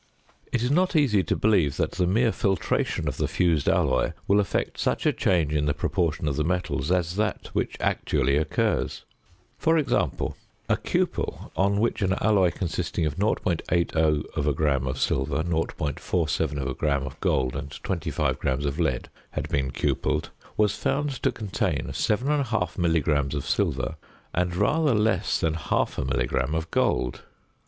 It is not easy to believe that the mere filtration of the fused alloy will effect such a change in the proportion of the metals as that which actually occurs. For example: a cupel on which an alloy consisting of 0.80 gram of silver, 0.47 gram of gold, and 25 grams of lead had been cupelled, was found to contain 7 1/2 milligrams of silver, and rather less than half a milligram of gold.